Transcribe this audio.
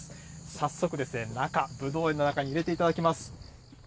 早速ですね、中、ぶどう園の中に入れていただきます。